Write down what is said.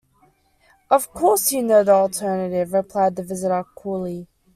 ‘Of course you know the alternative,’ replied the visitor coolly.